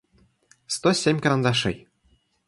сто семь карандашей